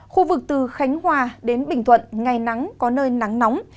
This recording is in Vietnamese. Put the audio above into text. khu vực từ khánh hòa đến bình thuận ngày nắng có nơi nắng nóng